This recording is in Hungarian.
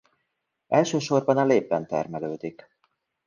Elsősorban a lépben termelődik.